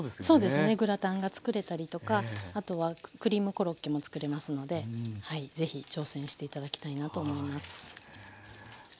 そうですねグラタンが作れたりとかあとはクリームコロッケも作れますのでぜひ挑戦して頂きたいなと思います。